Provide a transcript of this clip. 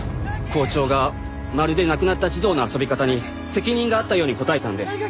校長がまるで亡くなった児童の遊び方に責任があったように答えたんで。